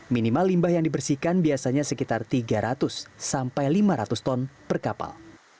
minimal limbah yang dibersihkan biasanya sekitar tiga ratus sampai lima ratus ton per kapal